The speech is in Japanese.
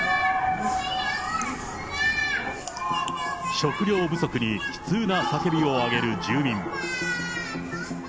食料不足に悲痛な叫びを上げる住民。